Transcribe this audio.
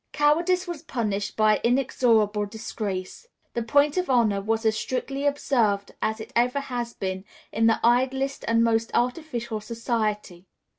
Cowardice was punished by inexorable disgrace. The point of honor was as strictly observed as it ever has been in the idlest and most artificial society.